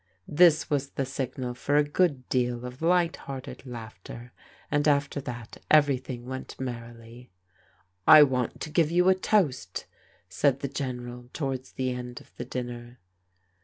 This was the sigftal for a good deal of light hearted laughter, and after that everything went merrily. " I want to give you a toast," said the General towards the end of the dinner.